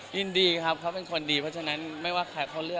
ยินดีใช่มั้ยครับเพราะว่าเขาจะเจอมาก่อนหรืออะไรอย่างเงี้ย